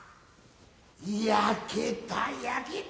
焼けた焼けた。